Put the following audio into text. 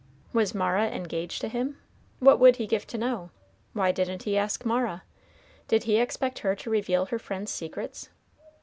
Was Mara engaged to him? What would he give to know? Why didn't he ask Mara? Did he expect her to reveal her friend's secrets?